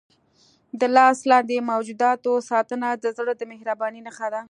د لاس لاندې موجوداتو ساتنه د زړه د مهربانۍ نښه ده.